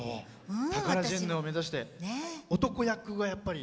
タカラジェンヌを目指して男役がやっぱり。